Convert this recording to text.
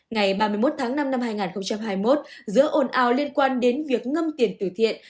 ngày ba mươi một tháng năm năm hai nghìn hai mươi một giữa ồn ào liên quan đến việc ngâm tiền tử thiện